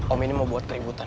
om ini mau buat keributan